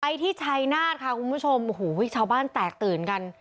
ที่ชัยนาธค่ะคุณผู้ชมโอ้โหชาวบ้านแตกตื่นกัน